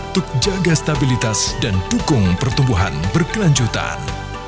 tuk jaga stabilitas dan pukung pertumbuhan berkelanjutan